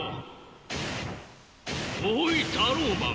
おいタローマン。